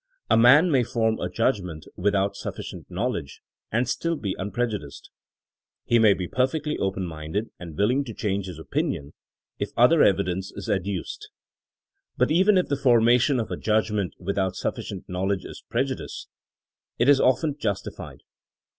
A man may form a judgment without sufficient knowl edge and still be unprejudiced. He may be per fectly open minded and willing to change his opinion if other evidence is adduced. But even if the formation of a judgment without suffi cient knowledge is prejudice, it is often justi fied.